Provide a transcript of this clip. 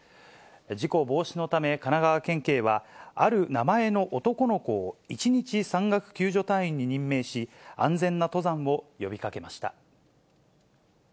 事故防止のため、神奈川県警は、ある名前の男の子を一日山岳救助隊員に任命し、安全な登山を呼びかけました。